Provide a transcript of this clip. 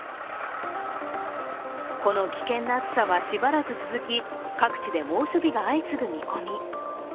この危険な暑さは、しばらく続き、各地で猛暑日が相次ぐ見込み。